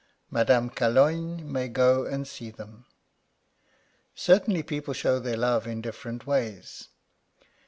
Madame Calogne may go and see them. Certainly people show their love in different ways.